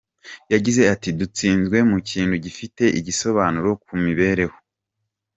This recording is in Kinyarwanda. Yagize ati “ Dutsinzwe mu kintu gifite igisobanuro ku mibereho.